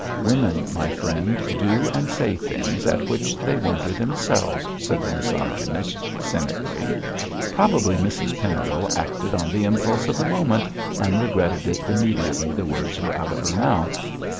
'Women, my friend, do and say things at which they wonder themselves,' said the misogynist, cynically; 'probably Mrs Pendle acted on the impulse of the moment and regretted it immediately the words were out of her mouth.